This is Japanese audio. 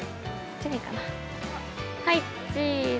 はい、チーズ。